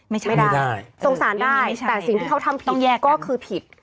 ไม่ได้สงสารได้แต่สิ่งที่เขาทำผิดต้องแยกก็คือผิด